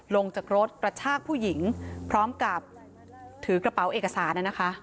ลงจากรถกระชากผู้หญิงพร้อมกับถือกระเป๋าเอกสารนะคะ